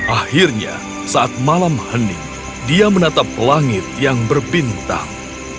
akhirnya saat malam hening dia menatap langit yang berbintang